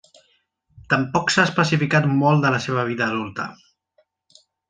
Tampoc s'ha especificat molt de la seva vida adulta.